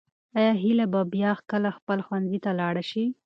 آیا هیله به بیا کله خپل ښوونځي ته لاړه شي؟